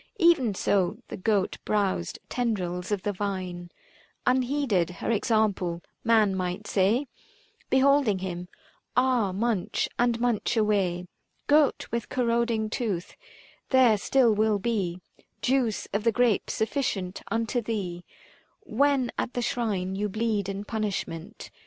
E'en so, the goat browzed tendrils of the vine, 380 Unheeded her example ; man might say, Beholding him, " Ah, munch and munch away, Goat with corroding tooth ; there still will be Juice of the grape sufficient unto thee, When at the shrine you bleed in punishment."